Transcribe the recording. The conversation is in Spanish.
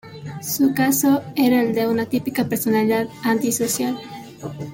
Su caso era el de una típica personalidad antisocial.